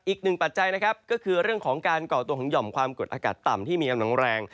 ปัจจัยนะครับก็คือเรื่องของการก่อตัวของหย่อมความกดอากาศต่ำที่มีกำลังแรง